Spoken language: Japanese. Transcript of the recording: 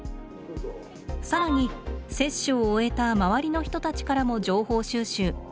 更に接種を終えた周りの人たちからも情報収集。